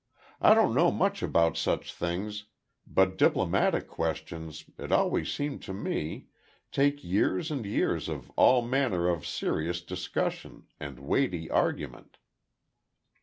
I don't know much about such things; but diplomatic questions, it always seemed to me, take years and years of all manner of serious discussion, and weighty argument."